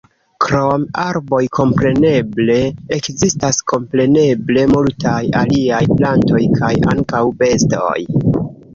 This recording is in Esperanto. Krom arboj kompreneble ekzistas kompreneble multaj aliaj plantoj kaj ankaŭ bestoj.